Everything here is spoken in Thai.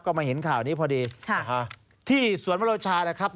ก็มาเห็นข่าวนี้พอดีที่สวนมโลชานะครับ